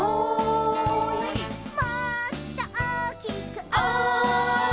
「もっと大きくおい！」